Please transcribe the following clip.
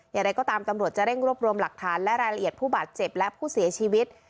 อย่างไรก็ตามตำรวจจะเร่งรวบรวมหลักฐานและรายละเอียดผู้บาดเจ็บและผู้เสียชีวิต